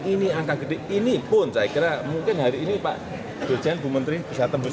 ini angka gede ini pun saya kira mungkin hari ini pak dirjen bu menteri bisa tembus